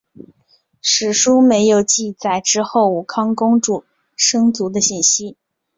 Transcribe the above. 史书没有记载之后武康公主生卒的信息。